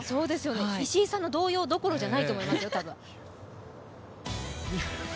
石井さんの動揺どころじゃないと思いますよ。